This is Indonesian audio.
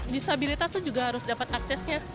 disabilitas itu juga harus dapat aksesnya